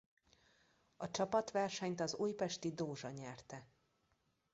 A csapatversenyt az Újpesti Dózsa nyerte.